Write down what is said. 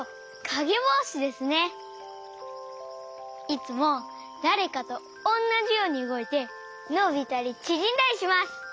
いつもだれかとおんなじようにうごいてのびたりちぢんだりします！